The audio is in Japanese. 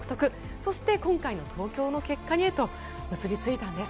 そして今回の東京の結果へと結びついたんです。